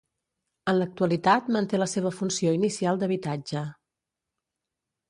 En l'actualitat manté la seva funció inicial d'habitatge.